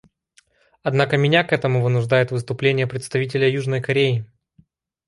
Однако меня к этому вынуждает выступление представителя Южной Кореи.